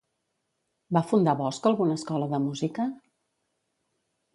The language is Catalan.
Va fundar Bosch alguna escola de música?